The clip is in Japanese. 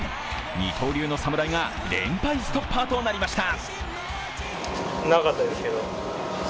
二刀流の侍が連敗ストッパーとなりました。